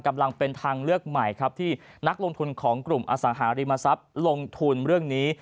กำลังเป็นทางเลือกใหม่ครับที่นักลงทุนของกลุ่มอสังหาริมทรัพย์ลงทุนเรื่องนี้